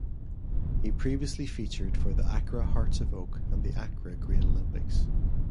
He previously featured for the Accra Hearts of Oak and Accra Great Olympics.